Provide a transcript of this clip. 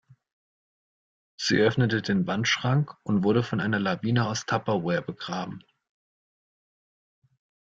Sie öffnete den Wandschrank und wurde von einer Lawine aus Tupperware begraben.